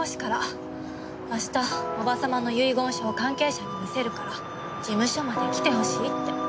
明日おば様の遺言書を関係者に見せるから事務所まで来てほしいって。